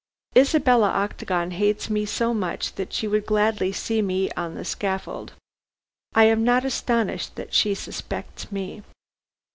Isabella Octagon hates me so much that she would gladly see me on the scaffold. I am not astonished that she suspects me."